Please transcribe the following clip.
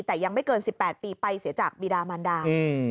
แต่ยังไม่เกิน๑๘ปีไปเสียจากบีดามันดา